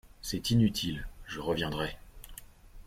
C’est inutile… je reviendrai.